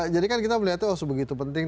jadi kan kita melihat itu sebegitu penting